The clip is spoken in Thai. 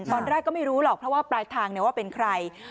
ตอนแรกก็ไม่รู้หรอกเพราะว่าปลายทางว่าเป็นใคร